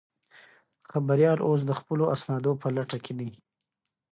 خبریال اوس د خپلو اسنادو په لټه کې دی.